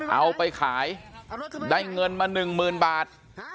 เอาไปขายได้เงินมา๑๐๐๐บาท